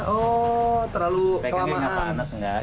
oh terlalu kelamaan